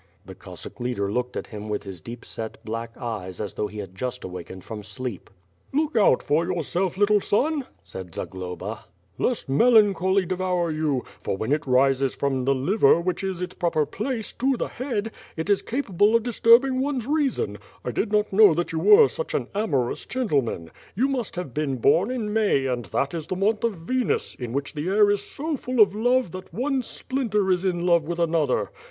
The Cossack leader looked at him with his deep set, blaclt; eyes as though he had just awakened from sleep. WITH FIRE AND .<^WORD. 2T9 "Look out for yourself, little son," said Zagloba, "lest nieJaneholy devour you, for when it rises from the liver, which is its proper place, to the head, it is capable of dis turbing one's reason. 1 did not know that you were such an amorous gentleman. You must have been born in May and tlmt is the niopth of Venus, in which the air is so full of love lluit one splinter is in love with another.